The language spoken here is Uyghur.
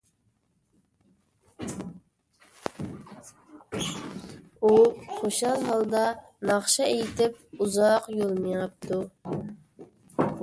ئۇ خۇشال ھالدا ناخشا ئېيتىپ، ئۇزاق يول مېڭىپتۇ.